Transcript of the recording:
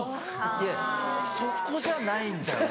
いやそこじゃないんだよな。